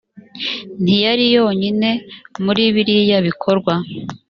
ntiyari yonyine muri biriya bikorwa